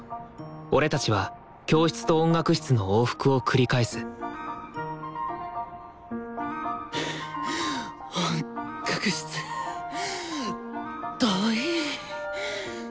俺たちは教室と音楽室の往復を繰り返す音楽室遠い。